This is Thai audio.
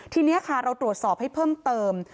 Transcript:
ทีนี้ค่ะเราตรวจสอบให้เพิ่มเติม